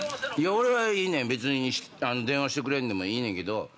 俺はいいねん別に電話してくれんでもいいねんけど。